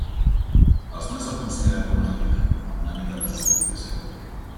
Els nois el consideren com a Hitler, amb una mica de justificació.